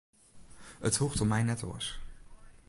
It hoecht om my net oars.